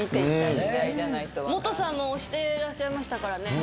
モトさんも押してらっしゃいましたからね。